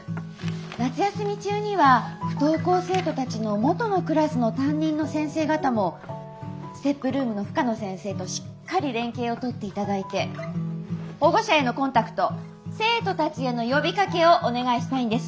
夏休み中には不登校生徒たちの元のクラスの担任の先生方もＳＴＥＰルームの深野先生としっかり連携をとっていただいて保護者へのコンタクト生徒たちへの呼びかけをお願いしたいんです。